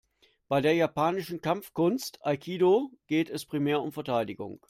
Bei der japanischen Kampfkunst Aikido geht es primär um Verteidigung.